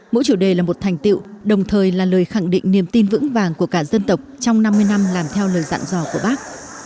mỗi chủ đề là một thành tiệu đồng thời là lời khẳng định niềm tin vững vàng của cả dân tộc trong năm mươi năm làm theo lời dặn dò của bác